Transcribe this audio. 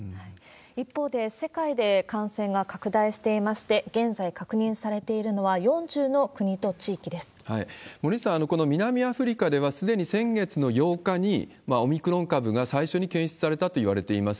一方で、世界で感染が拡大していまして、現在確認されているのは、森内さん、この南アフリカでは、すでに先月の８日にオミクロン株が最初に検出されたといわれています。